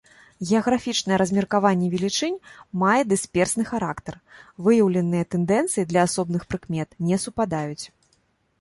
Геаграфічнае размеркаванне велічынь мае дысперсны характар, выяўленыя тэндэнцыі для асобных прыкмет не супадаюць.